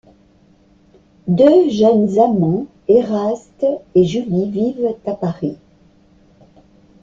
Deux jeunes amants, Éraste et Julie, vivent à Paris.